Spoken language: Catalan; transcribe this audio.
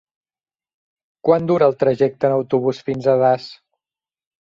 Quant dura el trajecte en autobús fins a Das?